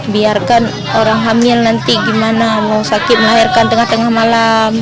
biarkan orang hamil nanti gimana mau sakit melahirkan tengah tengah malam